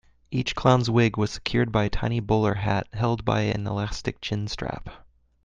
Each clown's wig was secured by a tiny bowler hat held by an elastic chin-strap.